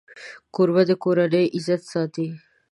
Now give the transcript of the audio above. کوربه د کورنۍ عزت ساتي.